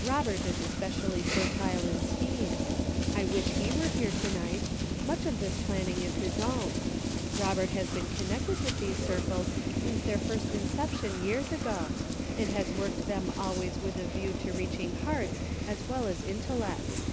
Robert is especially fertile in schemes ; I wish he were here to night ; much of this planning is his own. Robert has been con nected with these circles since their first inception years ago, and has worked them always with a view 308 CIRCLES WITHIN CIRCLES. to reaching hearts as well as intellects.